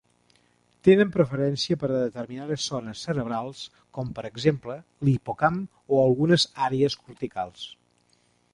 Tenen preferència per determinades zones cerebrals, com per exemple l'hipocamp o algunes àrees corticals.